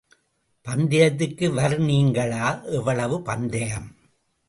பந்தயத்துக்கு வர்நீங்களா.. எவ்வளவு பந்தயம்.